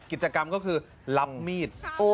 กิจกรรมก็คือรับมีด